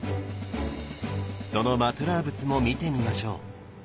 そのマトゥラー仏も見てみましょう。